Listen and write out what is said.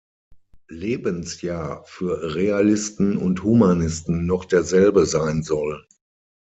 Lebensjahr für Realisten und Humanisten noch derselbe sein soll.